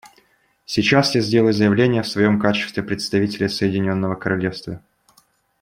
Сейчас я сделаю заявление в своем качестве представителя Соединенного Королевства.